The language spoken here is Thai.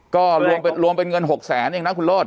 ก็รวมเป็นเงิน๖แสนเองนะคุณโรธ